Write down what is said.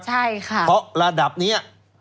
ใช่ค่ะเพราะระดับนี้